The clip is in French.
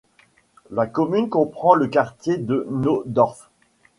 La commune comprend le quartier de Naundorf.